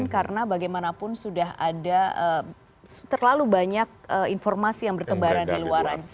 karena bagaimanapun sudah ada terlalu banyak informasi yang bertebaran di luar